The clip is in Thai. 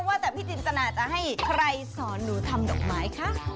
ว่าแต่พี่จินตนาจะให้ใครสอนหนูทำดอกไม้คะ